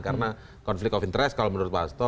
karena konflik of interest kalau menurut pak astos